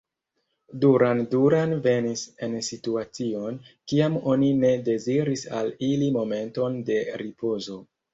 Duran Duran venis en situacion, kiam oni ne deziris al ili momenton de ripozo.